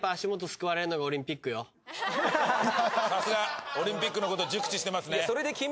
さすがオリンピックのこと熟知してますね。